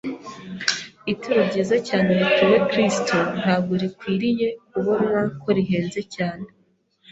Ituro ryiza cyane rituwe Kristo ntabwo rikwiriye kubonwa ko rihenze cyane;